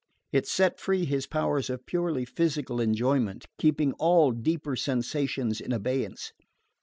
It set free his powers of purely physical enjoyment, keeping all deeper sensations in abeyance.